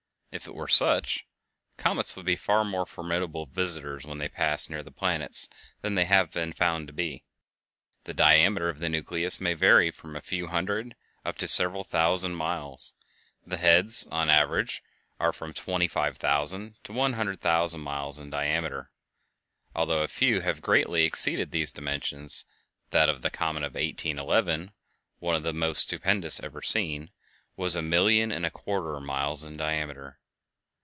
If it were such, comets would be far more formidable visitors when they pass near the planets than they have been found to be. The diameter of the nucleus may vary from a few hundred up to several thousand miles; the heads, on the average, are from twenty five thousand to one hundred thousand miles in diameter, although a few have greatly exceeded these dimensions; that of the comet of 1811, one of the most stupendous ever seen, was a million and a quarter miles in diameter!